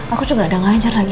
aku juga ada ngajar lagi